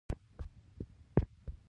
وو زما کور کلي ملكيارو کې دی